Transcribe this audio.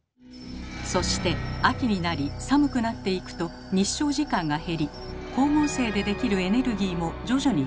そして秋になり寒くなっていくと日照時間が減り光合成でできるエネルギーも徐々に減少。